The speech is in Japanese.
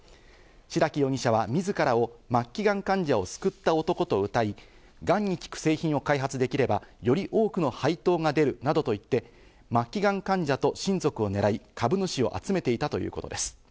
白木容疑者は自らを末期ガン患者を救った男とうたい、ガンに効く製品を開発できればより多くの配当が出るなどと言って、末期ガン患者と親族を狙い、株主を集めていたということです。